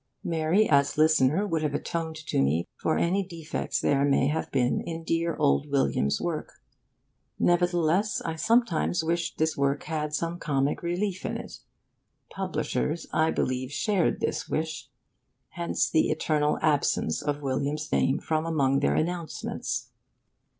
Mary as listener would have atoned to me for any defects there may have been in dear old William's work. Nevertheless, I sometimes wished this work had some comic relief in it. Publishers, I believe, shared this wish; hence the eternal absence of William's name from among their announcements.